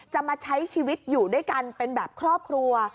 มาใช้ชีวิตอยู่ด้วยกันเป็นแบบครอบครัว